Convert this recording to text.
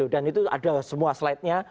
dan itu ada semua slidenya